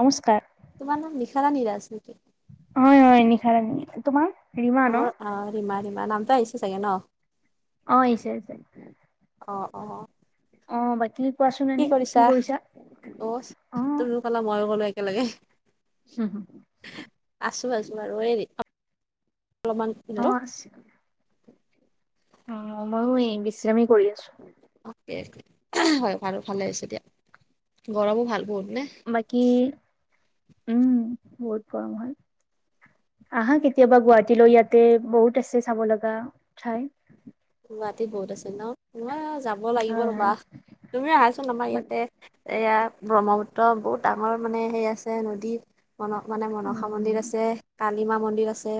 নমস্কাৰ তোমাৰ নাম নিখাদা নিৰাজ নেকি হয় হয় নিশাৰা নি তোমাৰ ৰীমা ন আঙ অ ৰীমা ৰীমা নামটো আহিছে চাগে ন অ্চয়ছেয় অ অ অ বাকী কি কৰিছা অ তোৰি কলা মইয়ো গলো একেলগে হম হু আছো আছো আৰু এইৰি অলপমান অ আছে অ ময়ো এই বিশ্ৰামেই কৰি আছো অ'কে হয় ভাল ভালে হৈছে দিয়া গৰমো ভাল বহুত নে? বাকী উম বহুত গৰম হয় আহা কেতিয়াবা গুৱাহাটীলৈৈ ইয়াতে বহুত আছে চাব লগা ঠাই গুৱাহাটী বহুত আছে ন মহ যাব লাগিব হয় ৰ'বা হয় তুমি আহাচোন আমাৰ বাকী ইয়াতে এয়া ব্ৰহ্মপুত্ৰ বহুত ডাঙৰ মানে সেই আছে নদী মন মানে মনসা মন্দিৰ উম আছে কালিমা মন্দিৰ আছে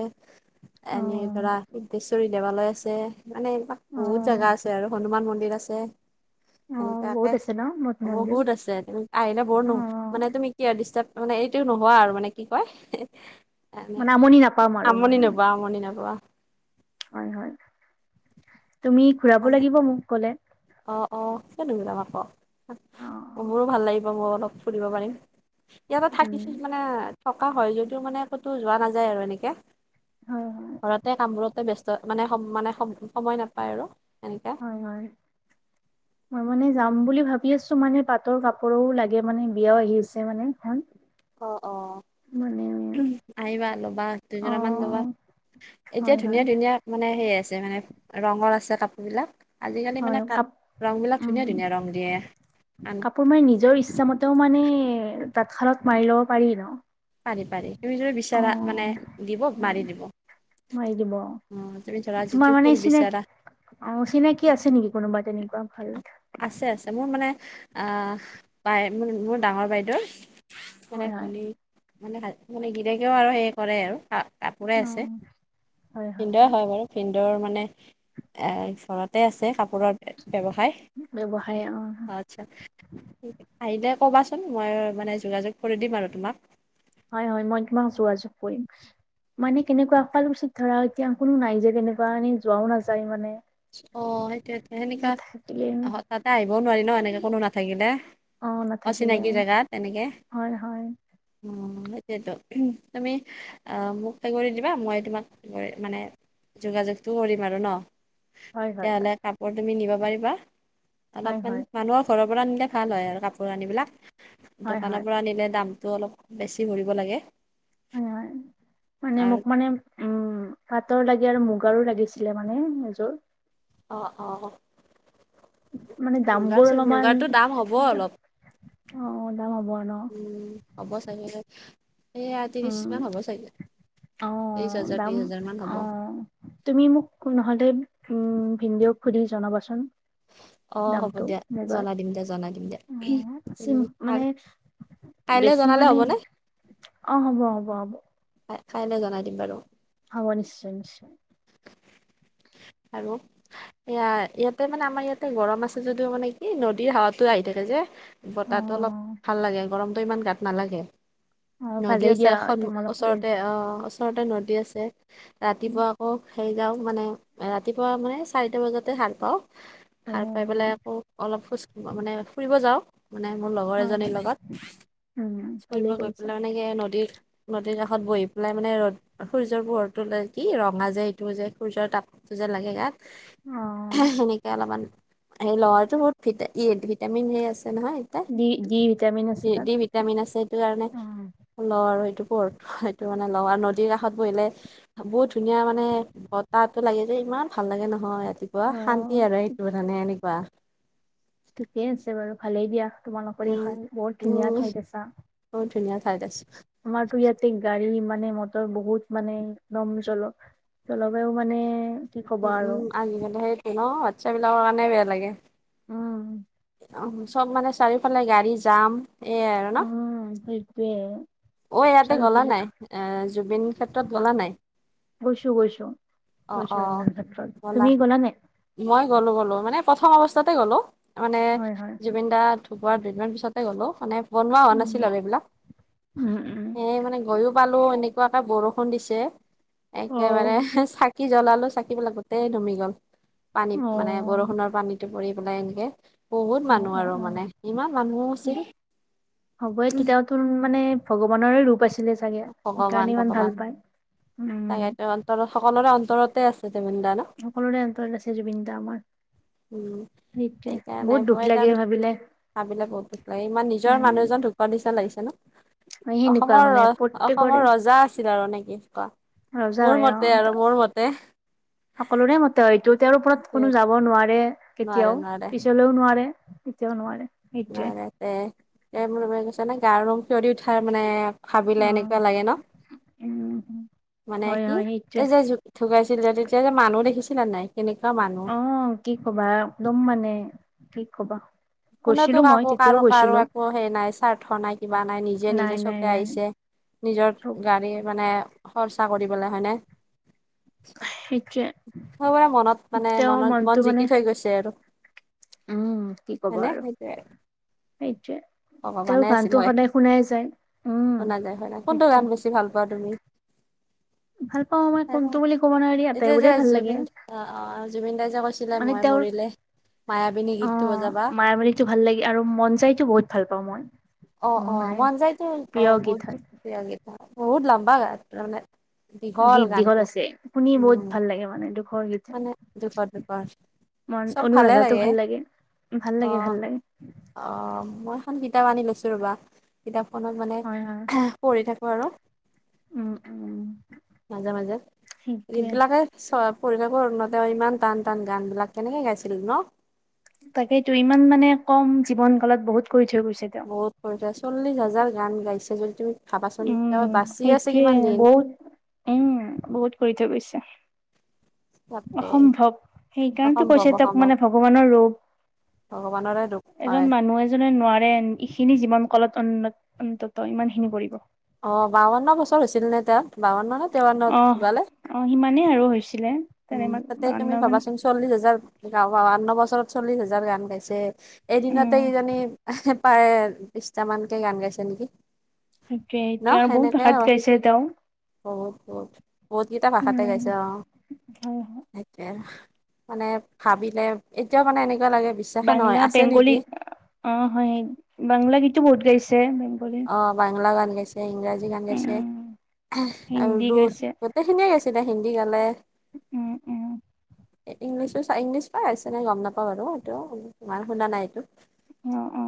অ এনেই ধৰা সিদ্ধেশ্বৰী দেৱালয় আছে মানে এইাক অ বহুত জোগা আছে আৰু হনুমান মন্দিৰ আছে অ সেনেকুৱাকে বহুত আছে ন মঠ মন্দিৰ বহুত আছে আহিলে অ বৰনো মানে তুমি কি আৰু ডিষ্টাৰ মানে সও নোহোৱা আৰু মানে কি কয় এনে মানে আমনি নাপাম আৰু মই আমনি মানে নবোৱা আমনি নবোৱাা হয় হয় তুমি ঘূৰাব লাগিব মোক ক'লে অ অ সেই টোলাম আকৌ অ মোৰো ভাল লাগিব মই অলপ ফুৰিব পাৰিম ইয়াতে উম থাকিছো মানে থকা হয় যদিও মানে ক'তো যোৱা নাযায় আৰু এনেকে হয় হয় ঘৰতে কামবোৰতে ব্যস্ত মানে মানে সময় নাপায় আৰু হয় হয় [unintelligible] মই মানে যাম বুলি ভাবি আছো মানে পাটৰ কাপোৰো লাগে মানে বিয়াও আহি আছে মানেখন অ অ আহিবা ল'বা অ দুজন মান ল'বা এতিয়া হয় হয় ধুনীয়া ধুনীয়া মানে সেই আছে মানে ৰঙৰ আছে কাপোৰ বিলাক আজিকালি হয় মানে ক কাপ ৰং বিলাক উম ধুনীয়া ধুনীয়া ৰং দিয়ে আন তেওঁও মানে তাঁতশালত মাৰি লব পাৰি ন পাৰি পাৰি তুমি যদি অ বিচাৰা মানে দিব মাৰি দিব অ মইকিব তুমি ধৰা [unintelligible] তোমাৰ যিটো মানে ফুল বিচাৰা চিনাকি অ চিনাকি আছে নেকি কোনোবা তেনেকুৱা হাল্থ [unintelligible] আছে আছে মোৰ মানে আহ বাই মোৰ ডাঙৰ বাইদেউৰ মানে হয় হয় ভনী মানে মানে গিৰেকেও আৰু সেই কৰে আৰু খা কাপোৰে অ আছে ভিন্দই হয় বাৰু ভিন্দৰ মানে এ ঈফৰতে আছে কাপোৰ ব্যৱসায় ব্যৱসায় অ আচ্ছা আহিলে ক'বাচোন মই মানে যোগাযোগ কৰি দিম আৰু তোমাক হয় হয় মই মা যোগাযোগ কৰিম। মানে কেনেকুৱা শুৱালকুছিত ধৰা এতিয়া কোনো নাই যে তেনেকুৱা এনেই যোৱাও নাযায় মানে অ সেইটো সেনেকুৱা নাথাকিলে তাতে আহিবও নোৱাৰি ন এনেকে কোনো নাথাকিলে অ নাথাকিলে অচিনাকি জেগাত তেনেকে হয় হয় অ সেইটোয়েতো তুমি আহ মোক সে কৰি দিবা মই তোমাক কৰি মানে যোগাযোগতটো কৰিম আৰু ন হয় হয় হয়। তেতিয়াহ'লে কাপোৰ তুমি নিব পাৰিবা হয় অলপমান হয় মানুহৰ ঘৰৰ আনিলে ভাল হয় আৰু কাপোৰ আনিবিলাক হয় দোকানৰ হয় পৰা আনিলে দামতটো অলপ বেছি ভৰিব লাগে। হয় হয় মানে আৰু মোক মানে উম পাতৰ লাগি আৰু মুগাৰো লাগিছিলে মানে এযোৰ অঁ অঁ মানে দাম বোৰ অলপমান দাম হ'ব অলপ অ দাম হ'ব ন উম হ'ব চাগে এইয়া ত্ৰিছ উম মান হ'ব চাগে অ ত্ৰিশ হাজাৰ দাম ত্ৰিশ হাজাৰ মান হ'ব অ তুমি মোক নহ'লে উম ভিন্দওক সুধি জনাবাচোন। অ হ'ব দামটো দিয়া বগাৰ জনাই দিম দিয়া জনাই দিম দিয়া তুমি চিম মানে কাই- কাইলৈ বেছি জনালে মানে হ'বনে অ হ'ব হ'ব হ'ব। কাইলৈ জনাই দিম বাৰু হব নিশ্চয় নিশ্চয় আৰু এয়া ইয়াতে মানে আমাৰ ইয়াতে গৰম আছে যদিও মানে কি নদীৰ হাৱাতো আহি থাকে যে অ বতাহ ত অলপ ভাল লাগে গৰম ত ইমান গাত নালাগে অ নদী ভালেই আছে দিয়া এখন তোমালোকৰে ওচৰতে, ওচৰতে নদী আছে ৰাতিপুৱা আকৌ হেৰি যাওঁ মানে ৰাতিপুৱা মানে চাৰিটা বজাতে সাৰ পাওঁ অ সাৰ পাই পেলাই আকৌ অলপ খোজ ক মানে ফুৰিব যাও। মানে মোৰ লগৰ হয় এজনীৰ হয় লগত উম ফুৰিব ভালেই গৈ কৰিছা পেলাই মানে কি এ নদীৰ নদীৰ কাষত বহি পেলাই মানে ৰদ সূৰ্যৰ পোহৰটো কি ৰঙা যে এইটো যে সূৰ্যৰ তাপতো যে লাগে গাত অ সেনেকে অলপমান হে লৰাতো বহুত ভি ভিটামিন এ আছে। নহয় এতিয়া ডি ডি ভিটামিন আছে [unintelligible] তাত দি ভিটামিন আছে ইটো কাৰণে অ ল আৰু সেইটো সেইটো মানে লগা নদীৰ কাষত বহিলে বহুত ধুনীয়া মানে বতাহটো লাগে যে ইমাৰ ভাল লাগে নহয় ৰাতিপুৱা অ শান্তি আৰু এইটো মানে এনেকুৱা ঠিকেই আছে বাৰু ভালেই দিয়া তোমালোকৰে উম ইফাল বৰ ধুনীয়া উম ঠাইত আছা বহুত ধুনীয়া ঠাইত আছো আমাৰতো ইয়াতে গাড়ী মানে মটৰ বহুত মানে একদম জল [unintelligible] জলবায়ু মানে- কি উ কবা আৰু উম আজিকালি সেইটো ন বাচ্ছা বিলাকৰ কাৰণে বেয়া লাগে উম চব মানে চাৰিওফালে গাড়ী যাম এইয়াই আৰু ন অ সেইটোৱে অ ইয়াতে গলা চাৰিওফালে নাই এ জুবিন ক্ষেত্ৰত গলা নাই গৈছো গৈছো অ গৈছো অ জুবিন ক্ষেত্ৰত তুমি গ'লা নে মই গ'লো গ'লো মানে প্ৰথম অৱস্থাতে গ'লো মানে হয় হয় জুবিনদা ঢুকোৱাৰ দুইদিন মান পিছতে গ'লো মানে বনোৱা হোৱা উম নাছিল আৰু এইবিলাক উম উম এই মানে গৈও পালো এনেকুৱা এটা বৰষুণ দিছে অ একেবাৰে ছা [unintelligible] চাকি জ্বলালো চাকিবিলাক গোটেই নুমি গ'ল পানীত অ মানে বৰষুণৰ পানীটো পৰি [unintelligible] বনাই এনেকে বহুত উ মানুহ উম, আৰু উম মানে ইমান মানুহ উ আছিল হ'বই কেতিয়া তোন মানে ভগৱানৰে ৰূপ আছিলে চাগে সেইকাৰণে ইমান ভাল পায় উম তাকে অন্তৰত সকলোৰে অন্তৰতে আছে জুবিন দা ন সকলোৰে অন্তৰত আছে জুবিন দা আমাৰ উম সেইটোৱে বহুত দুখ লাগে ভাবিলে কথাবিলাক বহুত দুখ লাগে ইমান নিজৰ উম মানুহ এজন ঢুকোৱাৱ নিচনা লাগিছে ন সেনেকুৱা অসমৰ মানে ৰ প্ৰত্যেকৰে অসমৰ ৰজা আছিলে ৰজা হয় অ সকলোৰে মতে হয় ইট তেওঁৰ ওপৰত কোনো যাব নোৱাৰে নোৱাৰে কেতিয়াও নোৱাৰে পিছলৈও নোৱাৰে এতিয়াও নোৱাৰে সেইটোৱে গাৰ নোম শিয়ৰি উঠাৰ মানে ভাবিলে অ এনেকুৱা লাগে ন উম মানে হয় কি হয় সেইটোৱে এই যে জু ঢুকাইছিল যে তেতিয়া যে মানুহ দেখিছিলা নে নাই কেনেকুৱা মানুহ অ কি কবা আৰু একদম মানে কি কবা গৈছিলো কোনেতো মই কাকো তেতিয়াও কাৰো কাৰো গৈছিলো একো সেই নাই স্বাৰ্থ নাই কিবা নাই নিজে নিজে নাই চবে নাই আহিছে নিজৰ চব গাড়ী মানে খৰচা কৰি পেলে হয়নে সেইটো সবৰে মনত মানে মনত মনটো মন মানে জিকি থৈ গৈছে আৰু উম কি কব হয়নে আৰু সেইটোৱে সেইটোৱে তেওঁৰ ভগৱানে আছিল গানটো হয় সদায় শুনাই যায় উম শুনা যায় শু কোনটো সেইটোৱে গান বেছি ভাল পোৱা তুমি [inaudible] ভাল পাওঁ মই কোনটো বুলি ক'ব নোৱাৰি যে আটাইবোৰে যে ভাল লাগে জুবিন অ জুবিনদাই যে কৈছিলে মানে মই তেওঁৰ মৰিলে মায়াবিনী অ গীতটো বজাবা মায়াবিনিটো ভাল লাগে আৰু মন যায়তো বহুত ভাল পাওঁ মই অ মোৰ অ মানে মন যায়তো অ প্ৰিয় গীত বহুত হয় গেইটা বহুত লম্বা গ তাৰানে গীত দীঘল আছে শুনি বহুত উম ভাল লাগে মানে দুখৰ গীত মানে দুফাৰ দুফাৰ মন চব ভালে অনুৰাধাটো লাগে ভাল ভাল অ লাগে ভাল লাগে। অ মই এখন কিতাপ আনি লৈছো ৰবা কিতাপখনত মানে হয় হয়। পঢ়ি থাকো আৰু উম উম মাজে মাজে গীত সেইটোয়ে বিলাকে চ পৰি কৰ তেওঁ ইমান টান টান গান বিলাক কেনেকে গাইছিল ন তাকেইতো ইমান মানে কম জীৱন কালত বহুত কৰি থৈ গৈছে তেওঁ। বহুত কৰিচা চল্লিশ হাজাৰ গান গাইছে যদি তুমি ভাবাচোন উম তেওঁ বাচি আছে কিমান সেইটোৱে দিন বহুত উম বহুত কৰি থৈ গৈছে বাপৰে অসম্ভৱ সেইকাৰণটো অসম্ভৱ কৈছে তেওঁক অসম্ভৱ মানে ভগৱানৰ ভগৱানৰে দুখ ৰপ হয় এজন মানুহ এজনে নোৱাৰে এইখিনি যিমান কলত অ অন্তত ইমান খিনি পৰিব অ বাৱন্ন বছৰ হৈছিল নে তাত বাৱন্ন ন তেৱন্ন ভকালে মান আৰু হৈছে উম তাতে তুমি ভাবাচোন চল্লিশ হাজাৰ বাৰন বছৰত চল্লিশ হাজাৰ গান গাইছে এদিনতে উম ইজনী প্ৰায় বিশছটা মানকে গান গাইছে নেকি তাকে ন ত বহুত ঘাত কছেটাও বত বহুত কেইটা ভাষাতে গাইছ অ হয় হয় সেইটোৱে মানে ভাবিলে এতিয়া মানে এনেকে বাংলা বেংগলী অ হয় বাংলা গীতো বহুত গাইছেংগ অ বাংলা গান গাইছে ইংৰাজী গান গাইছে উম আৰু হিন্দী দু গাইছে গোটেইখিনিয়ে গৈছিলে হিন্দী গালে উম উম ইংলিছো চ ইংলিছ পাই আছে নাই গম নাপাওঁ বাৰু এইটো তমাৰ শুনা নাই এইটো অ অ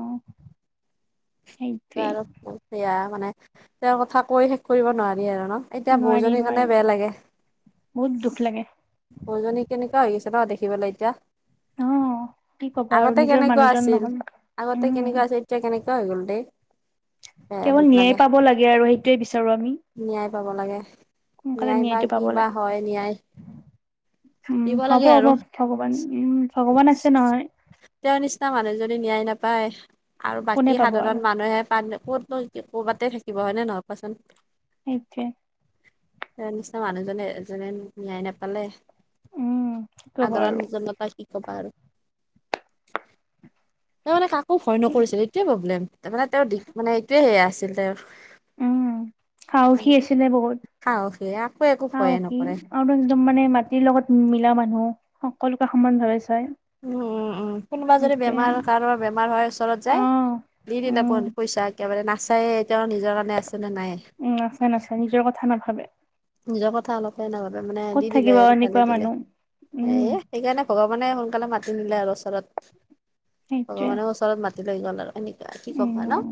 সেইটোৱে আৰু সেয়া মানে তেওঁৰ কথা কৈ শেষ কৰিব নোৱাৰি আৰু ন এতিয়া নোৱাৰি বৌজনীৰ কাৰণে নোৱাৰি বেয়া লাগে বহুত দুখ লাগে বৌজনী কেনেক হৈ গিছে ন দেখিবলৈ এতিয়া অ কি কবা আৰু আগতে নিজৰ কেনেকুৱা মানুহজন আছিল নহল আগতে উম কেনেকুৱা আছিল এতিয়া কেনেক এ আ গল দে কেৱল ন্যায় পাব লাগে আৰু সেইটোৱে বিচাৰো আমি ন্যায় পাব লাগে সোনকালে ন্যায় বা ন্যায়টো কি পাব বা লাগে হয় ন্যায় উম দিব হ'ব লাগে হ'ব আৰু ভগৱান উম ভগৱান আছে নহয় তেওঁৰ নিচিনা মানুহেযদি ন্যায় নাপায় আৰু কোনে বাকী পাব আৰু সাধাৰণ মানুহে পান ক'ত ক'ত পাতে থাকিব হয় ননেে নহয় পোৱাচোন সেইটোৱে ত নিচিনা মানুহজনে এজনে নয়ায় নাপালে উম কি কবা সাধাৰণ আৰু নিজ মতই শিকবা আৰু তেওঁ মানে কাকো ভয় নকৰিছিল এইটোৱে প্ৰব্লেম তাৰ মানে তেওঁৰ দি মানে এইটোৱে সেয়া আছিল তেওঁৰ উম সাহসী আছিলে বহুত সাহসী কাকো একো ও ভয়ে কি নকৰে। আৰুদ মানে মাটিৰ লগত মিলা মানুহ সকলোকে সমান ভাবেছে উম উম উম কোনোবা যদি বেমাৰ কাৰোবাৰ বেমাৰ হয় ওচৰত যায় অহ নিদিনা প উম পইচা একেবাৰে নাছিল তেওঁ নিজৰ কাৰণে আছে নে নাই উম নাচাই নাচাই নিজৰ কথা নাভাবে নিজৰ কথা অলপে এনেভাবে মানে ক'ত দি দিলে থাকিব গালি এনেকুৱা দিলে মানুহ উম এ সেইকাৰণে ভগৱান মানে সোনকালে মাতি নিলে আৰু ওচৰত সেইটোৱে ভগৱানে ওচৰত মাতি লৈ গ'ল আৰু এনে কি ক'বা ন উম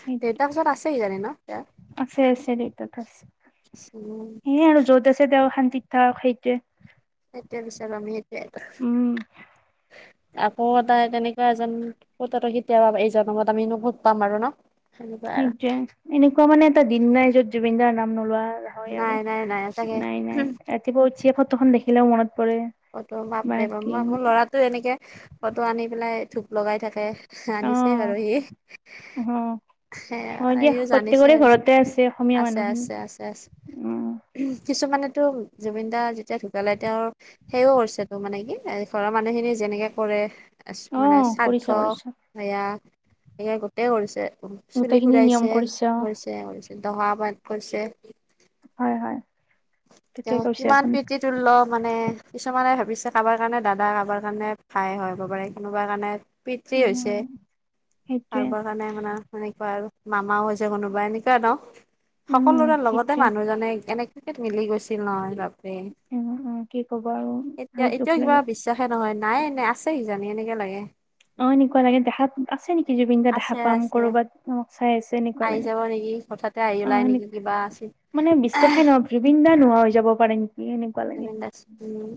সেই পিছত আছে সিজানি ন এ দেত সেয়ে আৰু য'ত আছে তেওঁ শান্তিত থাক সেইটোৱে সেইটোৱে বিচাৰো আমি সেইটয়ে উম আকৌ এটা তেনেকুৱা এজন কতাতো কেতিয়াবা এইজঙত আমিোোত পাম আৰু ন সেনেকুৱা আৰু সেইটোৱে এনেকুৱা মানে এটা দিন নাই য'ত জুবিনদাৰ নাম নোলোৱা হয় নাই আৰু নাই নাই তাকে নাই নাই ৰাতিপুৱা উঠিয়ে ফটোখন দেখিলেও মনত পৰে ফটো বাপ বাকী মোৰ ল'ৰাটো এনেকে ফটো আনি পেলাই ধূপ লগাই থাকে আনিছে অহ বাৰু সি অহ সে হয় দিয়া এইও জানিছে প্ৰত্যেকৰে ঘৰতে আছে অসমীয়া আছে মানুহখিনি আছে আছে আছে উম কিছুমানেতো জুবিন দা যেতিয়া ঢুকালাই তেওঁৰ সেইয়ও কৰিছে তো মানে কি ঘৰৰ মানুহখিনি যেনেকে কৰে মানে অহ কৰিছা শ্ৰাদ্ধ কৰিছা সেয়া স গোটেই কৰিছে চুলি গোটেইখিনি নিয়ম ফুৰাইছে কৰিছে অ কৰিছে দহা পাত কৰিছে হয় হয় ঠিকে তেওঁ কৈছে কিমান আপুনি পিতৃতুল্য মানে কিছুমানে ভাবিছে কাৰোবাৰ কাৰণে দাদা কাৰোবাৰ কাৰণে ভাই হয় হব পাৰে কোনোবা কাৰণে পিতৃ হৈছে উম সেইটোৱে পবৰ কাৰণে মানাৰ সেনেকুৱা আৰু মামাও হৈছে কোনোবা এনেকুৱা নও উম সকলোৰে লগতে সেইটোৱে মানুহজনে এনেক টিকেট মিলি গৈছিল ন সবাবে [unintelligible] উম উম কি ক'ব আৰু এতিয়া বহুত দুখ এতিয়াও কিবা লাগে বিশ্বাসে নহয় নাই নে আছে জানি কেনেকে লাগে অ এনেকুৱা লাগে দেহাত আছে নেকি জুবিন গা দেখা আছে পাম আছে কৰবাতমাক চাই আছে এনেকুৱা আহি লাগে যাব নেকি হঠাতে আহি অ ওলাই সেনে নেকি কিবা আছে মানে বিশ্বাসে নহয় জুবিন দা নোহোৱা হৈ যাব পাৰে ন জুবন দাই উ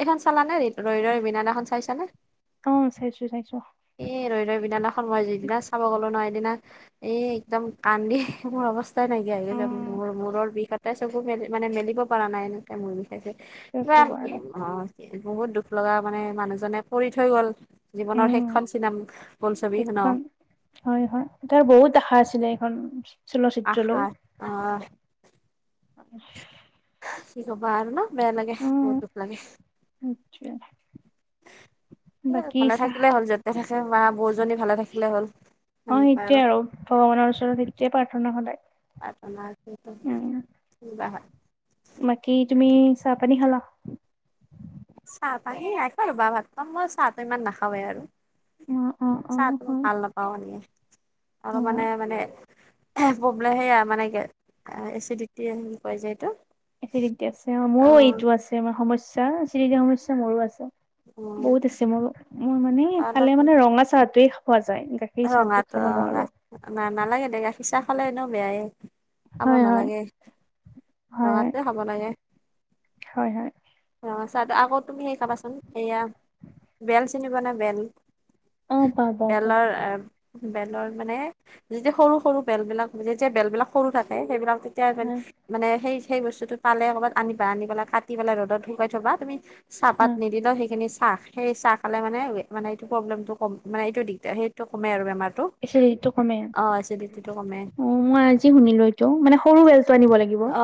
এইখন চালানে ৰ ৰ বিনানাখন চাইছানে ক চেইচো চাই এ ৰৈ ৰৈ বিনালেখন মই যদিনা চাব গ'লো নহ দিনা এই একদম কান্দি কোৰ অৱস্থাই নাইকিয়া যে উম ম মূৰ বিষ এটাই চবু মানে মেলিব পৰা নাই এনেকে মোৰ কি কিবা ক'বা আৰু অ বহুত দুখ লগা মানে মানুহজনে পৰি থৈ গল জীৱনৰ শেষ উম সেইখন হয় হয় তাৰ বহুত আশা আছিলে সেইখন আহা অ অ কি ক বাহ ন বেয়া লাগে উম বহুত দুখ লাগে সেইটোৱে এ বাকী ভালে চাহ থাকিলে হ'ল যেতে থাকে মা বৌজনী ভালে থাকিলে হল অ সেইটোয়ে আৰু ভগৱানৰ ওচৰত হেইটোৱে প্ৰাৰ্থনা সদায় আপমাৰ উম বাহ [unintelligible] বাকী তুমি চাহ পানী খালা চাহ পানী নাই খোৱা ৰবা ভাত পাম মই চাহটো ইমান নাখাওঁয়েই আৰু অ অ অ ছাহ হয় ভাল নাপাওঁ আৰু হয় মানে হয় মানে প্ৰব্লেম সেয়া মানে এচিডিটি পয় [unintelligible] যায় এইটো এচিডিটি আছে অ মোৰো এইটো আছে মাৰ সমস্যা চি সমস্যা মোৰো আছে বহুত আছে মোৰ মোৰ মানে খালে মানে ৰঙা চাহটোৱে খোৱা যায় গাখীৰ চাহটো ৰঙাতো খাব নোৱাৰো ন নালাগে গাখীৰ চা খালে এনেও বেয়াই খাব হয় হয় নালাগে হয় হয় ৰঙাটোযে খাব লাগে হয় হয় আ আকৌ তুমি সেই খাবাচোন সেইয়া বেল চিনি পোৱা নে বেল অ পাও পা পাওঁ বেলৰ বেলৰ মানে যেতিয়া সৰু সৰু বেল বিলাক যেতিয়া বেল বিলাক সৰু থাকে সেইবিলাক তেতিয়া হয় মানে সেই সেই বস্তুটো পালে ক'বাত আনিবা আনি পেলাই কাটি পেল ৰ'দত শুকাই থবা তুমি চাহপাত হয় নিদিলে সেইখিনি চাহ সেই চাহ খালে মানে মানে এইটো প্ৰব্লেমটো কম মানে এইটো দিগদাৰ সেই টো কমে আৰু বেমাৰ এচিডিটিতো কমে কমে অ মই আজি শুনিলো এইটো মানে সৰু বেলচো আনিব লাগিব অ